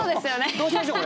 どうしましょう？